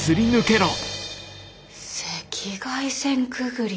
赤外線くぐり。